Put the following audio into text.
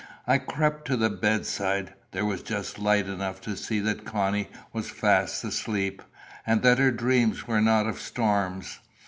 I crept to the bedside: there was just light enough to see that Connie was fast asleep, and that her dreams were not of storms.